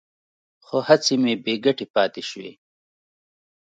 خو هڅې مې بې ګټې پاتې شوې.